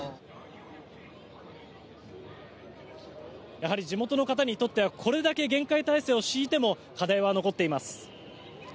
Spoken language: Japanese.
やはり地元の方にとってはこれだけ厳戒態勢を敷いても課題は残っています。